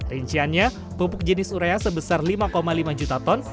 rinciannya pupuk jenis urea sebesar lima lima juta ton